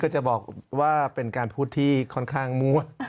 จะบอกว่าเป็นการพูดที่ค่อนข้างมั่ว